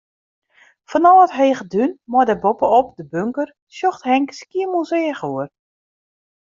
Fanôf it hege dún mei dêr boppe-op de bunker, sjocht Henk Skiermûntseach oer.